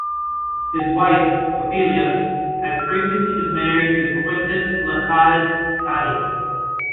His wife, Poppilia, had previously been married to Quintus Lutatius Catulus.